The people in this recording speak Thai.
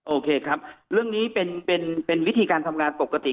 โอเคครับเรื่องนี้เป็นวิธีการทำงานปกติ